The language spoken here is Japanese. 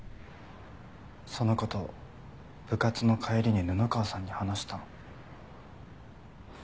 その事を部活の帰りに布川さんに話したの。